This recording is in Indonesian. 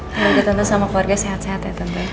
semoga tante sama keluarga sehat sehat ya tante